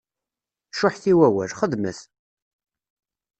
Cuḥḥet i wawal, xedmet!